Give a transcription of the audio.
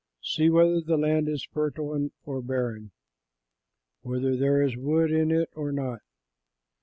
See whether the land is fertile or barren, whether there is wood in it or not.